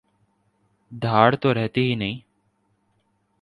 دھاڑ تو رہتی ہی نہیں۔